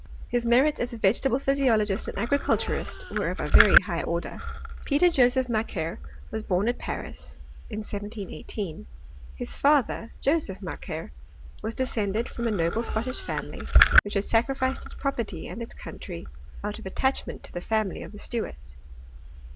His merits as a vegetable physiologist and agriculturist were of a ▼ery high order. THXOET IS CH£1|I8TET. S9S Peter Joseph Macquer was bom at PariB, in 1718. HiB father, Joseph Macquer, was descended from a noble Scottish family, which had sacrificed its property and its country, out of attachment to the family of the Stuarts.